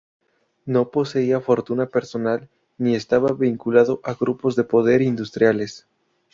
No poseía fortuna personal, ni estaba vinculado a grupos de poder industriales.